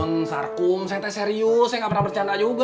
hmm sarkum saya serius saya gak pernah bercanda juga